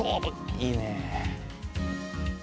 いいね。